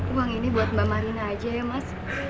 uang ini buat mbak marina aja ya mas